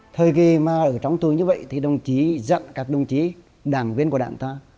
thời kỳ mà ở trong tù như vậy thì đồng chí dặn các đồng chí đảng viên của đảng ta